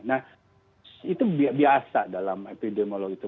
nah itu biasa dalam epidemiolog itu